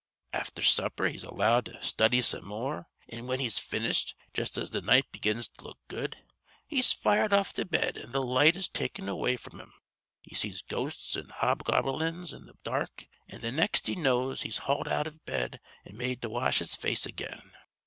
Afther supper he's allowed to study some more, an' whin he's finished just as th' night begins to look good he's fired off to bed an' th' light is taken away fr'm him an' he sees ghosts an' hobgoberlins in th' dark an' th' next he knows he's hauled out iv bed an' made to wash his face again.